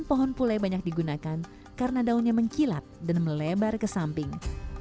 pohon pule banyak digunakan karena daunnya mengkilap dan melebar ke samping